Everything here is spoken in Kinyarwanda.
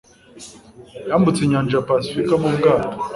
yambutse inyanja ya pasifika mu bwato